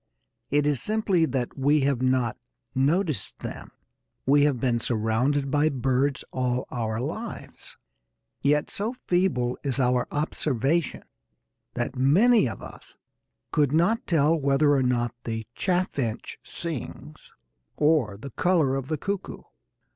It is simply that we have not noticed them. We have been surrounded by birds all our lives, yet so feeble is our observation that many of us could not tell whether or not the chaffinch sings, or the colour of the cuckoo.